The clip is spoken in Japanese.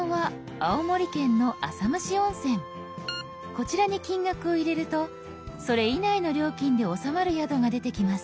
こちらに金額を入れるとそれ以内の料金で収まる宿が出てきます。